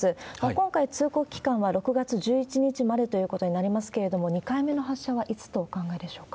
今回、通告期間は６月１１日までということになりますけれども、２回目の発射はいつとお考えでしょうか？